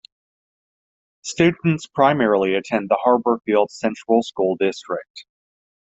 Students primarily attend the Harborfields Central School District.